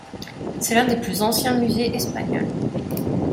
C’est l’un des plus anciens musées espagnols.